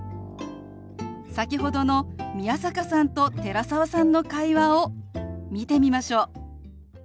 先ほどの宮坂さんと寺澤さんの会話を見てみましょう。